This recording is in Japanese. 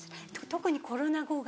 特にコロナ後が。